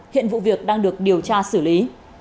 hiện vụ việc đang được điều tra xử lý